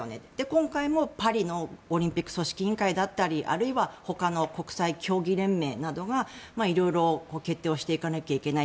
今回もパリのオリンピック組織委員会だったりあるいはほかの国際競技連盟などが色々決定をしていかないといけない。